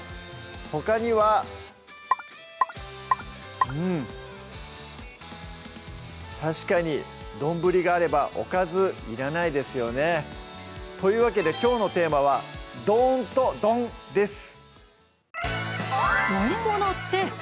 ほかにはうん確かに丼があればおかずいらないですよねというわけできょうのテーマは「ドーン！っと丼」です